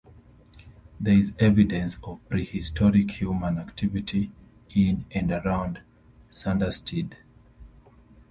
There is evidence of prehistoric human activity in and around Sanderstead.